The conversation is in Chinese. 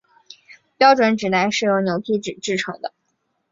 标准纸袋是由牛皮纸制成的。